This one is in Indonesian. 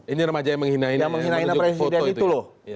ini remaja yang menghina presiden itu loh